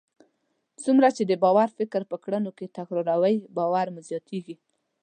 څومره چې د باور فکر په کړنو کې تکراروئ، باور مو زیاتیږي.